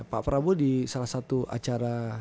pak prabowo di salah satu acara